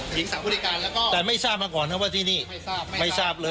หญิงสาวบริการแล้วก็แต่ไม่ทราบมาก่อนนะว่าที่นี่ไม่ทราบเลย